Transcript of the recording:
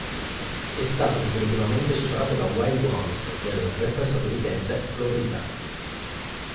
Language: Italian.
È stato definitivamente superato da "Wild Ones" del rapper statunitense Flo Rida.